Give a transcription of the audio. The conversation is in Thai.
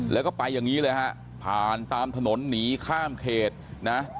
แล้วก็ไปอย่างนี้เลยฮะผ่านตามถนนหนีข้ามเขตนะ